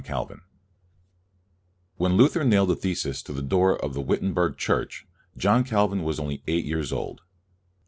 CALVIN 1509 1564 WHEN Luther nailed the theses to the door of the Wittenberg Church, John Calvin was only eight years old.